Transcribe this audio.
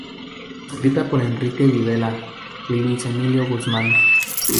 Escrita por Enrique Videla y Luis Emilio Guzmán.